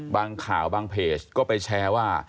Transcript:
บางข่าวบางเพจก็ไปแชร์ว่า